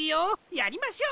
やりましょう。